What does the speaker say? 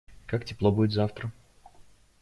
Как тепло будет завтра?